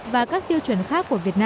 và các tiêu chuẩn khác của việt nam